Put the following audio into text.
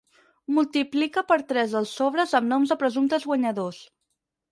Multiplica per tres els sobres amb noms de presumptes guanyadors.